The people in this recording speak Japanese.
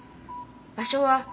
場所は。